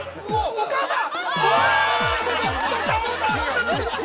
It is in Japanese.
◆お母さん！